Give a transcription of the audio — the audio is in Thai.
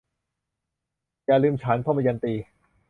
อย่าลืมฉัน - ทมยันตี